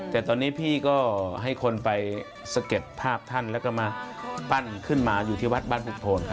แต่ตอนนี้พี่ก็ให้คนไปสะเก็ดภาพท่านแล้วก็มาปั้นขึ้นมาอยู่ที่วัดบ้านปุกโทน